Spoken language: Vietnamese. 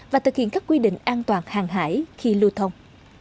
và thực hiện các quy định an toàn hàng hải khi lưu thông